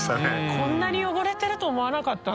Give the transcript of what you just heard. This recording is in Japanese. こんなに汚れてると思わなかったなシャツが。